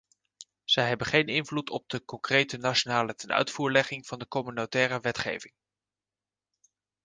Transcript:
Zij hebben geen invloed op de concrete nationale tenuitvoerlegging van de communautaire wetgeving.